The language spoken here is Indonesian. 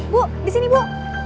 bu di sini bu